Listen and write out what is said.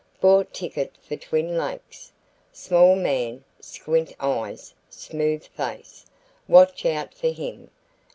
Bought ticket for Twin Lakes. Small man, squint eyes, smooth face. Watch out for him.